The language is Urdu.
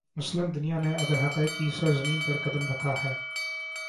مسلم دنیا نے اگر حقائق کی سرزمین پر قدم رکھا ہے۔